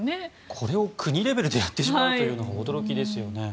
これを国レベルでやってしまうのが驚きですよね。